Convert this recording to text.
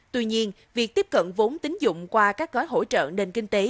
tuy nhiên việc tiếp cận vốn tín dụng qua các gói hỗ trợ nền kinh tế